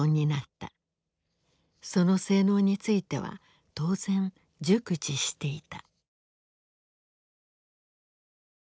その性能については当然熟知していた。